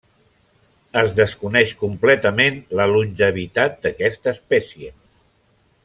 Es desconeix completament la longevitat d'aquesta espècie.